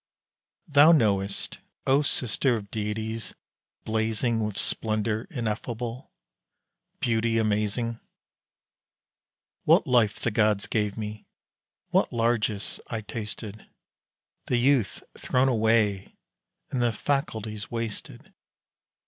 ..... Thou knowest, O sister of deities blazing With splendour ineffable, beauty amazing, What life the gods gave me what largess I tasted The youth thrown away, and the faculties wasted.